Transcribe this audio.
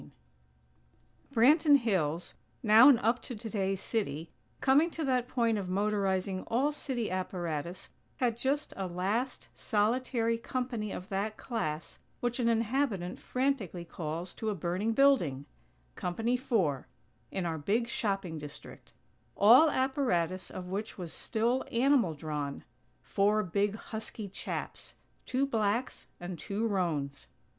XVI Branton Hills, now an up to today city, coming to that point of motorizing all city apparatus, had just a last, solitary company of that class which an inhabitant frantically calls to a burning building Company Four, in our big shopping district; all apparatus of which was still animal drawn; four big, husky chaps: two blacks and two roans.